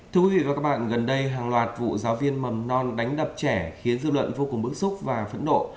thưa quý vị và các bạn gần đây hàng loạt vụ giáo viên mầm non đánh đập trẻ khiến dư luận vô cùng bức xúc và phẫn nộ